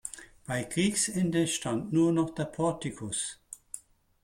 Bei Kriegsende stand nur noch der Portikus.